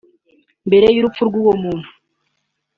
Mbere y’urupfu rw’uwo muntu